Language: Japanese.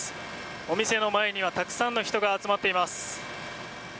お店の前にはたくさんの人が集まっています。